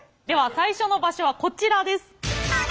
では最初の場所はこちらです。